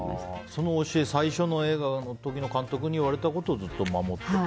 その教え最初の映画の時の監督に言われたことをずっと守っていて。